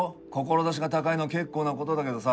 志が高いのは結構なことだけどさ